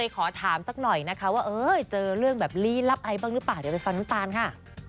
ขอถามสักหน่อยนะคะว่าเจอเรื่องแบบลี้ลับอะไรบ้างหรือเปล่าเดี๋ยวไปฟังน้ำตาลค่ะ